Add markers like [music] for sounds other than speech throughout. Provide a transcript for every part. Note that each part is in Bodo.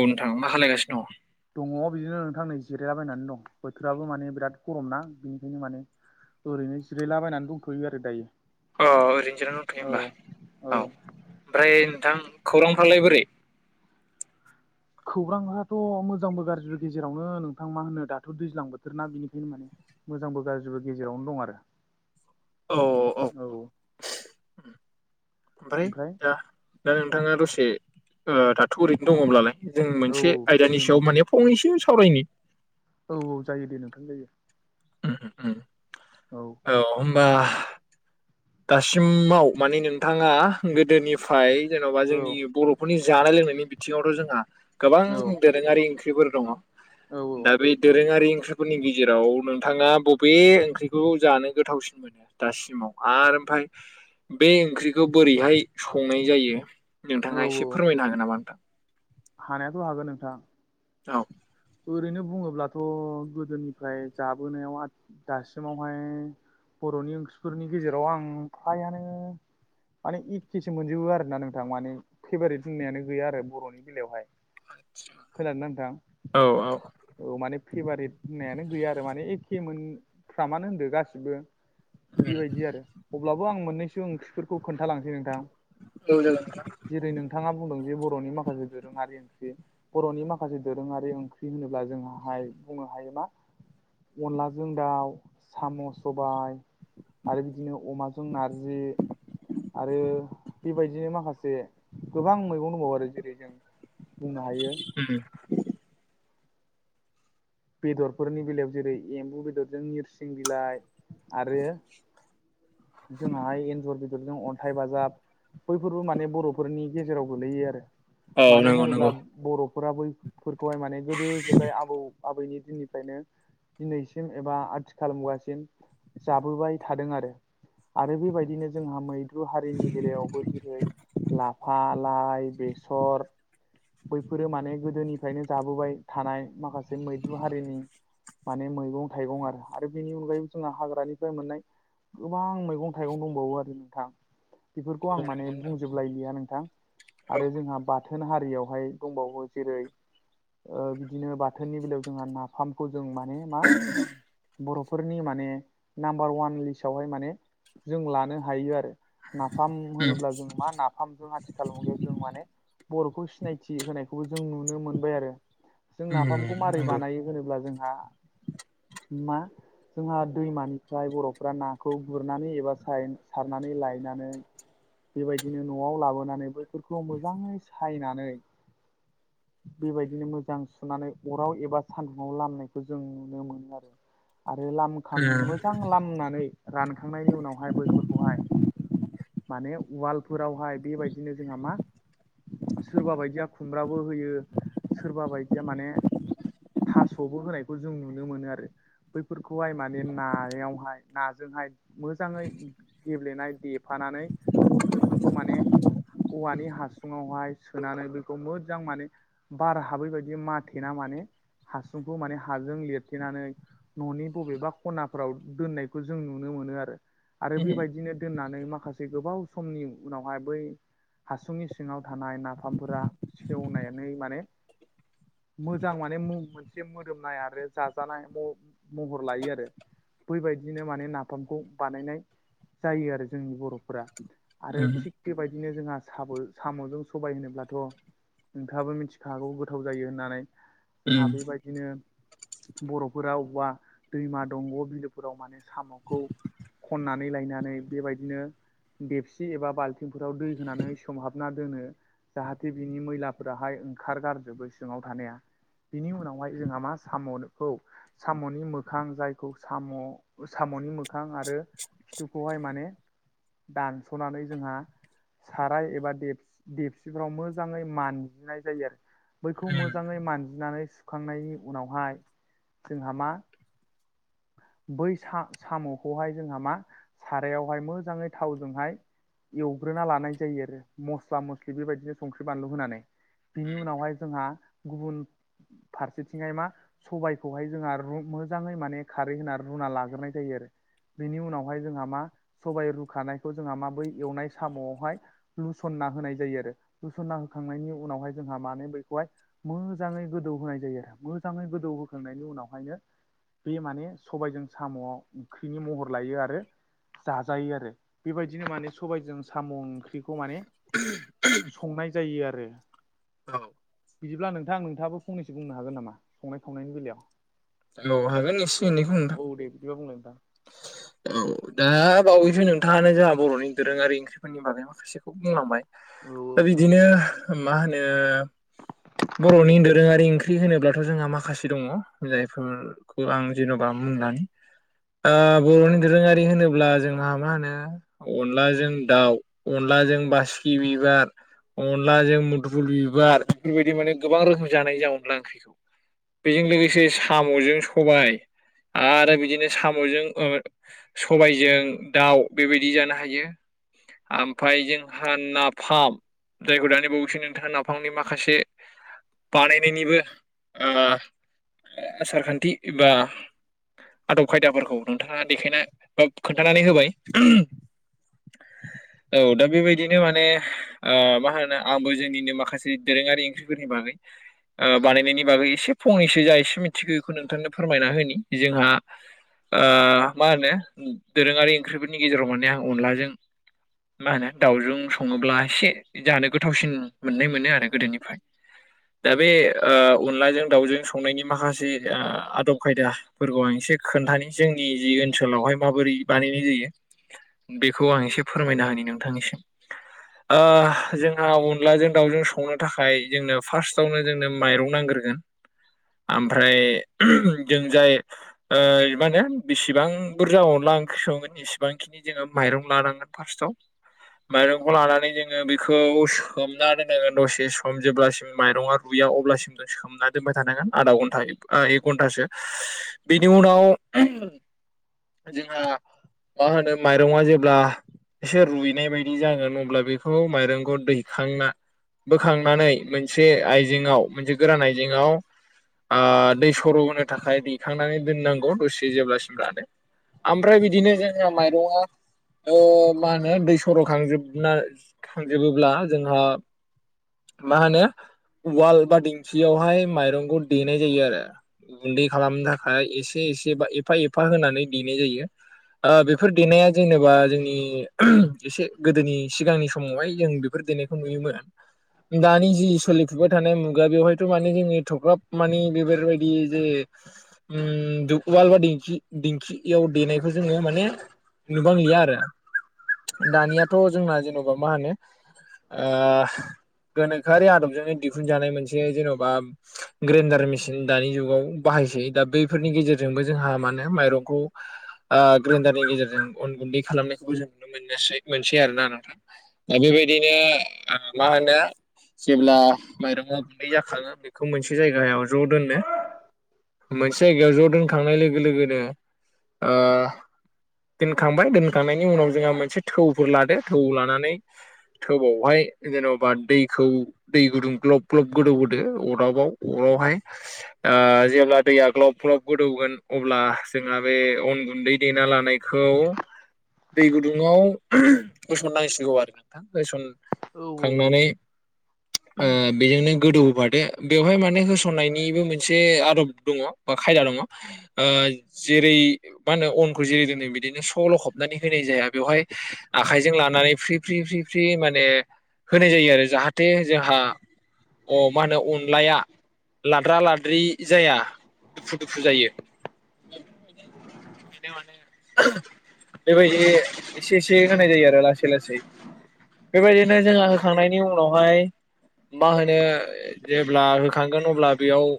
औ नोंथां मा खालायगासिनो दङ? दङ बिदिनो नोंथां नै जिरायलाबायनानै दं बोथोराबो माने बिराद गरमना बिनिखायनो माने ओरैनो जिरायलाबायनानै दंथ'यो आरो दायो अ ओरैनो जिरायना दंथ'यो औ होमब्ला औ ओमफ्राय नोंथां खौरांफ्रालाय बोरै? खौरांआथ' मोजांबो गाज्रिबो गेजेरावनो नोंथां मा होनो दाथ' दैज्लां बोथोर ना बिनिखायनो माने मोजांबो गाज्रिबो गेजेरावनो दं आरो। औ औ ओमफ्राय दा दा नोंथाङा दसे ओ दाथ ओरैनो दङब्लालाय? जों औ मोनसे आयदानि ओरैनो सायाव माने फंनैसो सावरायनि। औ औ जायो दे नोंथां जायो। उम उम औ औ होमबाआ दासिमाव माने नोंथाङा गोदोनिफ्राय जेन'बा औ जोंनि बर' फोरनि जानाय लोंनायनि बिथिङावथ' जोंहा गोबां औ दोरोङारि ओंख्रिफोर दङ औ दा बे दोरोङारि ओंख्रि फोरनि गेजेराव नोंथाङा बबे ओंख्रिखौ जानो गोथावसिन मोनो दासिमाव? आर ओमफ्राय बे ओंख्रिखौ बोरैहाय संनाय जायो। औ नोंथाङा एसे औ फोरमायनो हागोन नामा नोंथां? हानायाथ' हागोन नोंथां। औ ओरैनो बुङोब्लाथ' गोदोनिफ्राय जाबोनायाव दासिमावहाय बर'नि ओंख्रिफोरनि गेजेराव आं फ्रायानो माने एखेसो मोनजोबो आरो ना नोंथां माने फेभारेट बुंनायानो गैया आरो बर'नि बेलायावहाय खोनादों ना नोंथां औ औ औ माने फेभारेट होननायानो गैया आरो माने एखे मोन फ्रामानो होनदो गासिबो बेबायदि आरो अब्लाबो आं मोननैसो ओंख्रिफोरखौ खोन्थालांसै नोंथां। औ जागोन नोंथां। जेरै नोंथाङा बुंदों जे बर'नि माखासे दोरोङारि ओंख्रि बर'नि माखासे दोरोङारि ओंख्रि होनोब्ला जोंहाय बुंनो हायो मा अनलाजों दाउ साम' सबाय आरो बिदिनो अमाजों नारजि आरो बेबायदिनो माखासे गोबां मैगं दंबावो आरो जेरै जों बुंनो हायो उम बेदरफोरनि बेलायाव जेरै एम्बु बेदरजों नोरसिं बिलाइ आरो [inaudible] जोंहाय एन्जर बेदर बेफोरजों अन्थाइ बाजाब बैफोरबो माने बर'फोरनि गेजेराव गोलैयो आरो। औ मानो नंगौ नंगौ होनोब्ला बर' फोराबै फोरखौहाय माने गोदो गोदाय आबौ आबैनि दिन‌निफ्रायनो दिनैसिम एबा आथिखाल मुगासिम जाबोबाय थादों आरो। आरो बेबायदिनो जोंहा मैद्रु हारिनि बेलायावबो जेरैहाय लाफा लाय बेसर बैफोरो माने गोदोनिफ्रायनो जाबोबाय थानाय माखासे मैद्रु हारिनि माने मैगं थाइगं आरो आरो बेनि अनगायैबो जोंहा हाग्रानिफ्राय मोननाय गोबां मैगं थाइगं दंबावो आरो नोंथां बेफोरखौ आं औ माने नंगौ नोंथां बुंजोब स्लायलिया नोंथां औ आरो जोंहा बाथोन हारियावहाय दंबावो जेरै ओ बिदिनो बाथोननि बेलायाव जोंहा नाफामखौ जों माने मा बर' फोरनि माने नामबार वान‌ लिस्त सावहाय माने जों लानो हायो आरो नाफाम उम होनोब्ला जों मा नाफ खजों आथिखाल मुगायाव जों माने बर'खौ सिनायथि होनायखौबो जों नुनो मोनबाय आरो जों नाफामखौ उम मारै नंगौ बानायो होनोब्ला जोंहा मा जोंहा दैमानिफ्राय बर'फ फ्रा नाखौ गुरनानै एबा साय--सारनानै लायनानै। बेबायदिनो न'आव लाबोनानै बैफोरखौ मोजाङै सायनानै [inaudible] बेबायदिनो मोजां सुनानै अराव एबा सान्दुंआव लामनायखौ जों नुनो मोनो आरो आरो लामखां उम मोजां लामनानै रानखांनायनि उनावहाय बैफोरखौहाय माने वालफोरावहाय बेबायदिनो जोंहा मा सोरबा बायदिया खुमब्राबो होयो सोरबा बायदिया माने थास'बो होनायखौ जों नुनो मोनो आरो बैफोरखौहाय माने नायावहाय नाजोंहाय मोजाङै गेब्लेनाय देफानानै बैफोरखौ माने औवानि हासुङावहाय सोनानै बेखौ मोजां माने बार हाबै बायदि माथेना माने हासुंखौ माने हाजों लिरथेनानै न'नि बबेबा खनाफोराव दोननाय खौ नुनो मोनो आरो। आरो बेबायदिनो दोननानै माखासे गोबाव समनि उनावहाय बै हासुनि सिङाव थानाय नाफामफोरा सेवनानै माने मोजां माने मुं मोनसे मोदोमनाय आरो जाजानाय म महर लायो आरो बै बाय बिदिनो माने नाफामखौ बानायनाय जायो आरो जोंनि बर'फोरा आरो उम थिग बेबायदिनो जोंहा सबोल सामजों सबाय होनोब्लाथ नोंथाङाबो मिथिखागौ गोथाव जायो होन्नानै। जोंहा उम बेबायदिनो बर'फोरा अबेवबा दैमा दंग बिलोफोराव माने साम'खौ खननानै लायनानै बेबायदिनो देबसि एबा बाल्थिंफोराव दै होनानै सोमहाबना दोनो। जाहाथे बिनि मैलाफोराहाय ओंखार गारजोबो सिङाव थानाया बिनि उनावहाय जोंहा मा साम'खौ सामनि मोखां जायखौ साम सामनि मोखां आरो खिथुखौहाय माने दानसनानै जोंहा साराय एबा देबसि‌ देबसिफ्राव मोजाङै मानजिनाय जायो आरो। बैखौ उम मोजाङै मानजिनानै सुखांनायनि उनावहाय जोंहा मा बै सा--साम'खौहाय जोंहा मा सारायावहाय मोजाङै थावजोंहाय एवग्रोना लानाय जायो आरो मस्ला मस्लि बेबायदिनो संख्रि बानलु होनानै बिनि उनावहाय जोंहा गुबुन फारसेथिंजाय मा सबायखौहाय जोंहा रु मोजाङै माने खारै होना रुना लाग्रोनाय जायो आरो। बेनि उनावहाय जोंहा मा सबाइ रुखानायखौ जोंहा मा बै एवनाय साम'आवहाय लुसनना होनाय जायो आरो लुसनना होखांनायनि उनावहाय जोंहा माने बैखौहाय मोजाङै गोदौ होनाय जायो आरो मोजाङै गोदौहोखांनायनि उनावहायनो बे माने सबायजों साम'आव ओंख्रिनि महर लायो आरो। जाजायो आरो बेबायदिनो माने सबायजों साम' ओंख्रि खौ माने संनाय जायो आरो। [unintelligible] बिदिब्ला नोंथां नोंथाङाबो फनैसो बुंनो हागोन नामा संनाय खावनायनि बेलायाव? औ हागोन एसे एनैखौ नोंथां। औ दे बिदिबा बुंलाय नोंथां औ दा बावैसो नोंथाङानो जोंहा बर'नि दोरोङारि ओंख्रिफोरनि बागै [unintelligible] [unintelligible] बुंलांबाय औ दा बिदिनो मा होनो बर'नि दोरोङारि ओंख्रि होनोब्लाथ' जोंहा माखासे दङ' [unintelligible] [unintelligible] आं जेन'बा [unintelligible] ओ बर'नि दोरोङारि होनोब्ला जोंहा मा होनो अनलाजों दाउ अनलाजों बासिकि बिबार अनलाजों मुदुफुल बिबार बेफोरबायदि माने गोबां रोखोम जानाय जा अनला ओंख्रिखौ। बेजों लोगोसे साम'जों सबाय आरो बिदिनो साम'जों ओ सबायजों दाउ बेबायदि जानो हायो। ओमफाय जोंहा नाफाम। जायखौ दानि बावैसो नोंथाङा नाफांनि माखासे बानायनायनिबो ओ आसार खान्थि एबा आदब खायदाफोरखौ नोंथाङा देखायना बा खोन्थानानै होबाय। औ दा बेबायदिनो माने ओ मा होनो आंबो जोंनिनो माखासे दोरोङारि ओंख्रिफोरनि बागै ओ बानायनायनि बागै एसे फंनैसो जा एसे मिथिगौ बेखौ नोंथांनो फोरमायना होनि जोंहा ओ मा होनो दोरोङारि ओंख्रिफोरनि गेजेराव माने आं अनलाजों मा होनो दाउजों सङोब्ला एसे जानो गोथावसिन मोननाय मोनो आरो गोदोनिफ्राय। दा बे ओ अनलाजों दाउजों संनायनि माखासे आदब खायदाफोरखौ आं एसे खोन्थानि जोंनि जि ओनसोलावहाय माबोरै बानायनाय जायो बेखौ आं एसे फोरमायना होनि नोंथांनिसिम। ओ जोंहा अनलाजों दाउजों संनो थाखाय जोंनो फार्स्टआवनो जोंनो माइरं नांग्रोगोन। ओमफ्राय जों जाय ओ माने बिसिबां बुरजा अनला ओंख्रि संगोन एसिबांखिनि जोङो माइरं लानांगोन। फार्स्टआव। माइरंखौ लानानै जोङो बेखौ सोमना दोनांगोन दसे सम जेब्लासिम माइरंआ [unintelligible] अब्लासिम जों सोमना दोनबाय थानांगोन। आधा घन्टा एक घन्टासो बेनि उनाव जोंहा मा होनो माइरङा जेब्ला एसे रुइनाय बायदि जागोन अब्ला बेखौ माइरंखौ दैखांना बोखांनानै मोनसे आइजेंआव मोनसे गोरान आइजेंआव आ दै सर' होनो थाखाय दैखांनानै दोननांगौ दसे जेब्लासिम लादो। ओमफ्राय बिदिनो जोंहा माइरङा ओ मा होनो दै सर' खांजोबना खांजोबोब्ला जोंहा मा होनो उवाल बा दिंखियावहाय माइरंखौ देनाय जायो आरो। गुन्दै खालामनो थाखाय एसे एसे बा एफा एफा होनानै देनाय जायो। ओ बेफोर देनाया जेनेबा जोंनि एसे गोदोनि सिगांनि समावहाय जों बेफोर देनाय नुयोमोन दानि जि सोलिफुबाय थानाय मुगा बेवहायथ' माने जोंनि एथख्राब मानि बेबेरबायदि जे उम दु वालबा दिंखि दिंखियाव देनायखौ जोङो माने नुबांलिया आरो दानियाथ' जोंना जेन'बा मा होनो ओ गोनोखोआरि आदबजोंनो दिहुनजानाय मोनसे जेन'बा ग्रेन्डार मेसिन दानि जुगाव बाहायसै दा बैफोरनि गेजेरजोंबो जोंहा मा होनो माइरंखौ ओ ग्रेन्डारनि गेजेरजों अन गुन्दै खालामनायखौबो जों नुनो मोनसै मोनसै आरोना नोंथां दा बेबायदिनो आरो मा होनो जेब्ला मायरंङा गुन्दै जाखाङो बेखौ मोनसे मोनसे जायगायाव ज' दोनो मोनसे जायगायाव ज' दोनखांनाय लोगो लोगोनो ओ दोनखांबाय दोनखांनायनि उनाव जोंहा मोनसे थौफोर लादो थौ लानानै थोउवावहाय जेन'बा दैखौ दै गुदुं ग्लब ग्लब गोदौ होदो अरदाबाव अरावहाय ओ जेब्ला दैया ग्लब ग्लब गोदौगोन अब्ला जोंहा बे अन गुन्दै देना लानाय खौ दै गुदुङाव होसनांसिगौ आरो नोंथां होसन औ खांनानै ओ बेजोंनो गोदौ होफादो बेवहाय माने होसनायनिबो मोनसे आदब दङ बा खायदा दङ ओ जेरै मा होनो अनखौ जेरै दिनै बिदिनो स' लख'बनानै होनाय जाया बेवहाय आखायजों लानानै फ्रि फ्रि फ्रि फ्रि माने होनाय जायो आरो जाहाथे जोंहा अ मा होनो अनलाया लाद्रा लाद्रि जाया दुफु दुफु जायो। बि माने बेबायदि एसे एसे होनाय जायो आरो लासै लासै बेबायदिनो जोंहा होखांनायनि उनावहाय मा होनो जेब्ला होखांगोन अब्ला बेयाव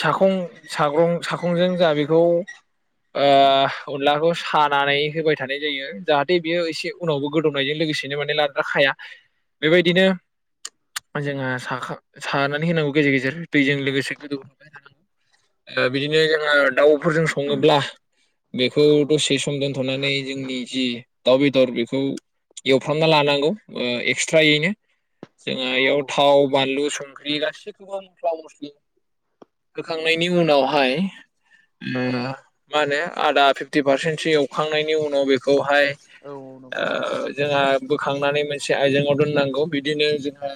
साखं साग्रं साखंजों जा बेखौ ओ अनलाखौ सानानै होबाय थानाय जायो जाहाथे बेयो एसे उनावबो गोदौनायजों लोगोसेनो माने ला दाखाया बेबायदिनो जोंहा साखां‌ सानानै होनांगौ गेजेर गेजेर दैजों लोगोसे गोदौ होबाय थानांगौ ओ बिदिनो जोङो दाउफोरजों सङोब्ला बेखौ औ दसे सम दोनथ'नानै जोंनि जि दाउ बेदर बेखौ एवफ्रामना लानांगौ ओ एक्सट्रायैनो जोंहा औ बेयाव थाव बानलु संख्रि बेयो गासैखौबो मस्ला मस्ली होखांनायनि उनावहाय ओ मा होनो आदा फिफ्टि पारसेन्टसो एवखांनायनि उनाव बेखौहाय औ नंगौ ओ नंगौ जोंहा बोखांनानै मोनसे आयजेंआव दोननांगौ बिदिनो जोंहा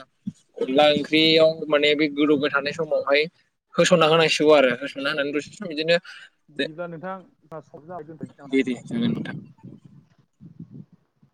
अनला ओंख्रियाव माने बे गोदौबाय थानाय समावहाय होसनना होनांसिगौ आरो होसनना होनानै दसे सम बिदिनो बिदिब्ला नोंथां [unintelligible] [unintelligible]